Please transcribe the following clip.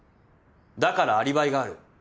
「だからアリバイがある」